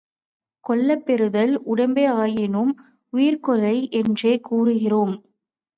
கொல்லப் பெறுதல் உடம்பேயாயினும், உயிர்க்கொலை என்றே கூறுகிறோம்.